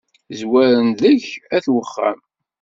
Zwaren-d deg-k at uxxam.